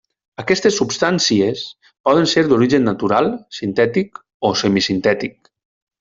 Aquestes substàncies poden ser d'origen natural, sintètic o semisintètic.